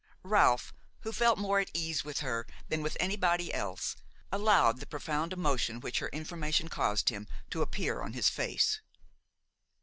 Ralph, who felt more at ease with her than with anybody else, allowed the profound emotion which her information caused him to appear on his face.